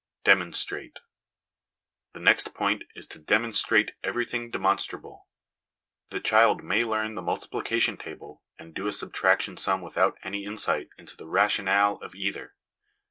Demonstrate. The next point is to demonstrate everything demonstrable. The child may learn the multiplication table and do a subtraction sum without any insight into the rationale of either.